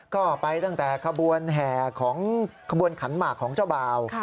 ก็ไปตั้งแต่ขบวนแห่ของขบวนขันหมากของเจ้าบ่าว